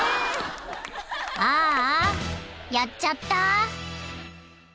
［ああやっちゃった］